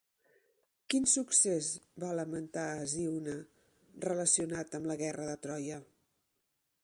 Quin succés va lamentar Hesíone relacionat amb la guerra de Troia?